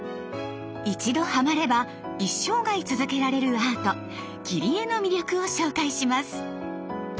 一度ハマれば一生涯続けられるアート「切り絵」の魅力を紹介します。